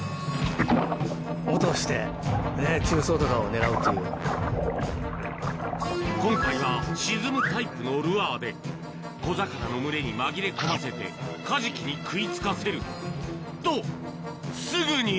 落として、中層とかを狙うと今回は沈むタイプのルアーで、小魚の群れに紛れ込ませてカジキに食いつかせる。